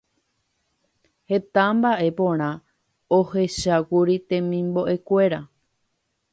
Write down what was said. Heta mbaʼe porã ohechákuri temimboʼekuéra.